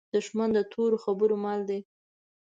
دښمن د تورو خبرو مل وي